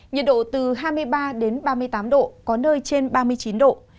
nhiệt độ từ hai mươi ba đến ba mươi tám độ có nơi trên ba mươi chín độ